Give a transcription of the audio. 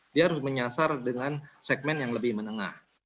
dia harus menyasar dengan segmen yang lebih menengah